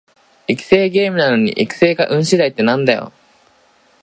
育成ゲームなのに育成が運しだいってなんだよ